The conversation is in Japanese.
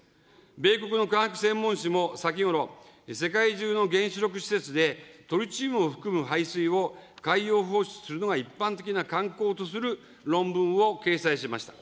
米国の科学専門誌も先ごろ、世界中の原子力施設で、トリチウムを含む排水を海洋放出するのが一般的な慣行とする論文を掲載しました。